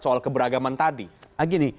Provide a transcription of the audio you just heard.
soal keberagaman tadi